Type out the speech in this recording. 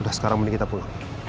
udah sekarang ini kita pulang